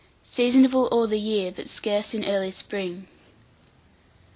Seasonable all the year, but scarce in early spring.